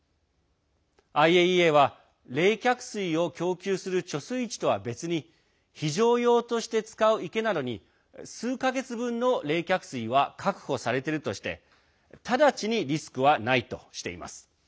ＩＡＥＡは冷却水を供給する貯水池とは別に非常用として使う池などに数か月分の冷却水は確保されているとして直ちにリスクはないとしています。